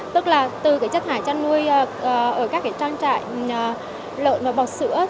tức là từ chất hải chăn nuôi ở các trang trại lợn và bọt sữa